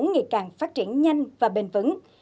ngày càng phát triển nhanh và bền vững